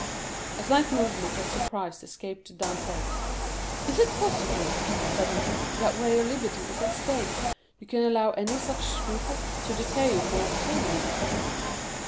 A slight movement of surprise escaped Dantès. "Is it possible," said he, "that where your liberty is at stake you can allow any such scruple to deter you from obtaining it?"